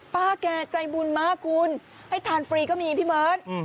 ป้าแกใจบุญมากคุณให้ทานฟรีก็มีพี่เบิร์ต